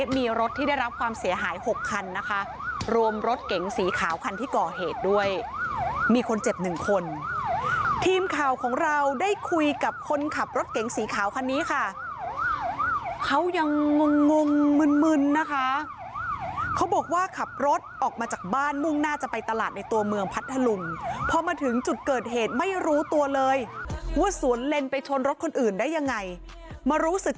มีรถที่ได้รับความเสียหายหกคันนะคะรวมรถเก๋งสีขาวคันที่ก่อเหตุด้วยมีคนเจ็บหนึ่งคนทีมข่าวของเราได้คุยกับคนขับรถเก๋งสีขาวคันนี้ค่ะเขายังงงงงมึนมึนนะคะเขาบอกว่าขับรถออกมาจากบ้านมุ่งหน้าจะไปตลาดในตัวเมืองพัทธลุงพอมาถึงจุดเกิดเหตุไม่รู้ตัวเลยว่าสวนเลนไปชนรถคนอื่นได้ยังไงมารู้สึก